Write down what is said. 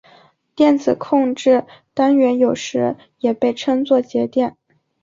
电子控制单元有时也被称作节点。